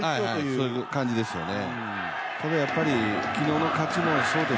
そういう感じですよね。